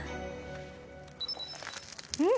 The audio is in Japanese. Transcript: うん！